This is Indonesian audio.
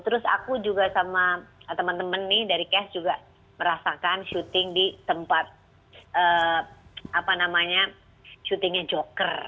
terus aku juga sama temen temen nih dari cast juga merasakan shooting di tempat apa namanya shootingnya joker